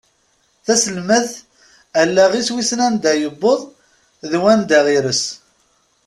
Taselmadt allaɣ-is wissen anda yewweḍ d wanda ires.